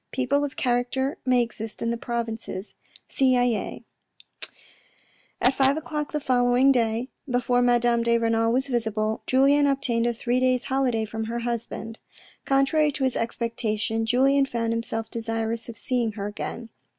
People of character may exist in the provinces. — SiZyes At five o'clock the following day, before Madame de Renal was visible, Julien obtained a three days' holiday from her husband. Contrary to his expectation Julien found himself desirous of seeing her again.